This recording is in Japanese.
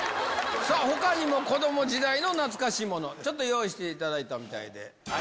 さあ、ほかにも子ども時代の懐かしいもの、ちょっと用意していただいたみたいで。